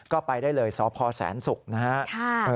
ก็ไปได้เลยสพแสนศุกร์นะครับ